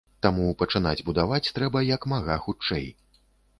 Таму, пачынаць будаваць трэба як мага хутчэй.